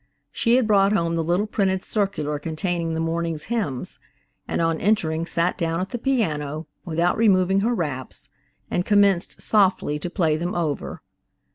She had brought home the little printed circular containing the morning's hymns, and on entering sat down at the piano, without removing her wraps, and commenced, softly, to play them over.